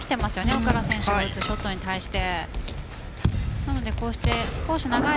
奥原選手のショットに対して。